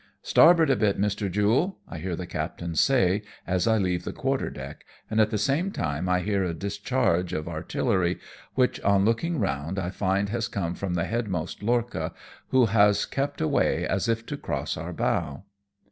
" Starboard a bit, Mr. Jule," I hear the captain say, as I leave the quarter deck; and at the same time I hear a discharge of artillery, which on looking round I find has come from the headmost lorcha, who has kept away as if to cross our bow.